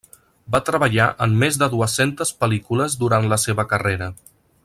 Va treballar en més de dues-centes pel·lícules durant la seva carrera.